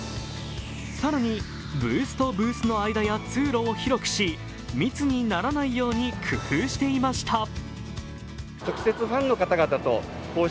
更に、ブースとブースの間や通路を広くし密にならないように工夫していました。